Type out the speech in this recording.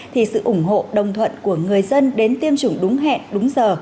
thì sự ủng hộ đồng thuận của người dân đến tiêm chủng đúng hẹn đúng giờ